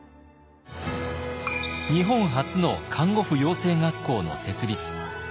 日本初の看護婦養成学校の設立。